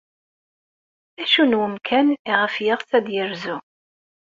D acu n umkan ayɣef yeɣs ad yerzu?